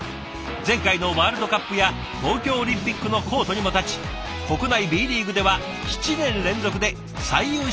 前回のワールドカップや東京オリンピックのコートにも立ち国内Ｂリーグでは７年連続で最優秀審判賞を受賞。